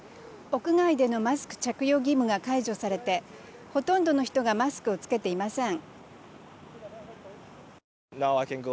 屋外でのマスク着用義務が解除されて、ほとんどの人がマスクを着けていません。